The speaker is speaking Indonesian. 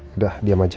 udah diem aja